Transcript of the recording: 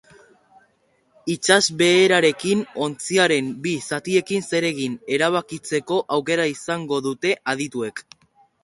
Itsasbeherarekin ontziaren bi zatiekin zer egin erabakitzeko aukera izango dute adituek.